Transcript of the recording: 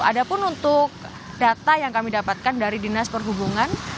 ada pun untuk data yang kami dapatkan dari dinas perhubungan